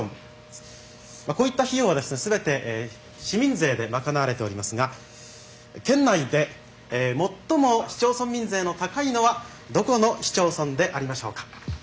こういった費用はですね全て市民税で賄われておりますが県内で最も市町村民税の高いのはどこの市町村でありましょうか？